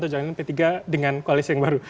atau jalani p tiga dengan koalisi yang baru